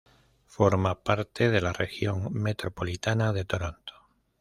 Forma parte de la Región Metropolitana de Toronto.